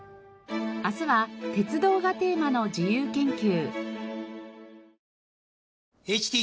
明日は鉄道がテーマの自由研究。